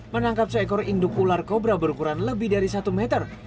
menangkap seekor induk ular kobra berukuran lebih dari satu meter